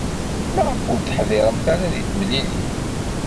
Maɣef ur teḥdiṛemt ara deg temlilit?